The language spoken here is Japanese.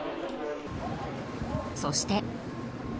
そして。